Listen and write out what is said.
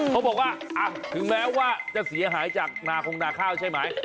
เขาบอกว่าถึงแม้ว่าจะเสียหายจากนาคงนาข้าวใช่ไหม